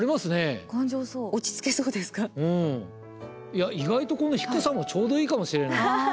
いや意外とこの低さもちょうどいいかもしれない。